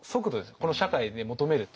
この社会で求める速度。